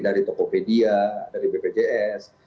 dari tokopedia dari bpjs